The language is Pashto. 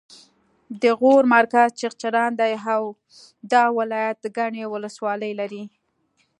د غور مرکز چغچران دی او دا ولایت ګڼې ولسوالۍ لري